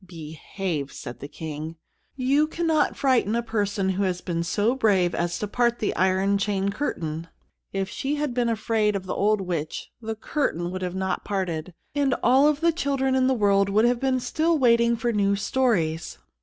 "Behave!" said the King. "You cannot frighten a person who has been so brave as to part the iron chain curtain. If she had been afraid of the old witch, the curtain would not have parted, and all the children in the world would have been still waiting for new stories."